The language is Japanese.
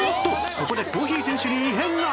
ここでコーヒー選手に異変が！